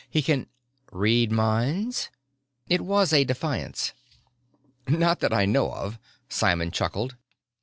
He can " "Read minds?" It was a defiance. "Not that I know of." Simon chuckled.